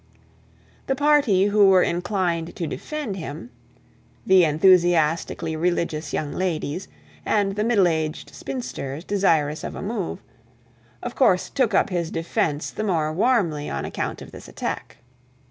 The party who were inclined to him the enthusiastically religious young ladies, and the middle aged spinsters desirous of a move of course took up his defence the more warmly on account of this attack.